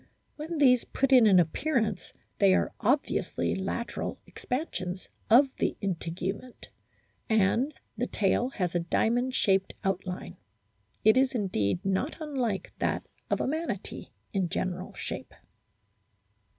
When these put in an appearance they are obviously lateral ex pansions of the integument, and the tail has a diamond shaped outline ; it is indeed not unlike that of a Manatee in general shape.